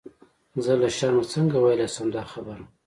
زه له شرمه څنګه ویلای شم دا خبره.